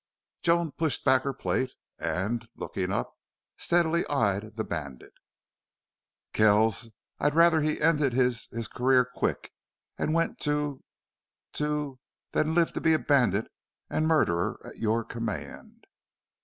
Joan pushed back her plate and, looking up, steadily eyed the bandit. "Kells, I'd rather he ended his his career quick and went to to than live to be a bandit and murderer at your command."